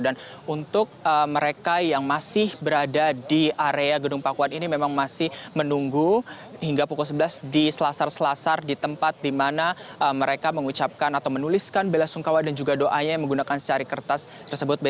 dan untuk mereka yang masih berada di area gedung pakuan ini memang masih menunggu hingga pukul sebelas di selasar selasar di tempat di mana mereka mengucapkan atau menuliskan belasungkawa dan juga doanya menggunakan secari kertas tersebut